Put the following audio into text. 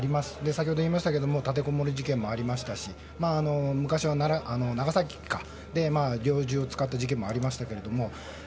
先ほど言いましたが立てこもり事件もありましたし昔は長崎で猟銃を使った事件もありましたが。